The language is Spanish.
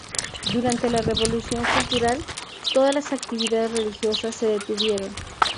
Durante la Revolución Cultural, todas las actividades religiosas se detuvieron.